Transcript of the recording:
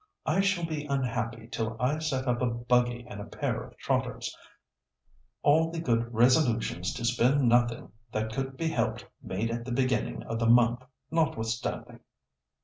"I shall be unhappy till I set up a buggy and a pair of trotters—all the good resolutions to spend nothing that could be helped made at the beginning of the month notwithstanding."